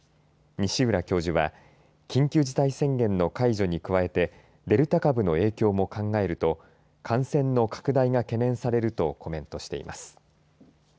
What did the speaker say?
西浦教授は緊急事態宣言の解除に加えてデルタ株の影響も考えると感染の拡大が懸念されるとコメントしています。